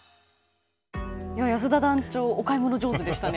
安田団長お買い物上手でしたね。